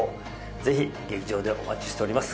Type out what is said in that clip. ぜひ劇場でお待ちしております